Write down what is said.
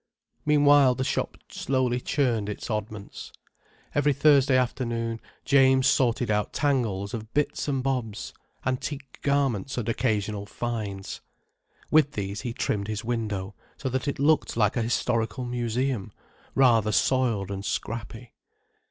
Meanwhile the shop slowly churned its oddments. Every Thursday afternoon James sorted out tangles of bits and bobs, antique garments and occasional finds. With these he trimmed his window, so that it looked like a historical museum, rather soiled and scrappy.